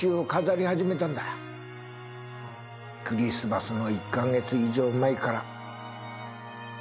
クリスマスの１カ月以上前から。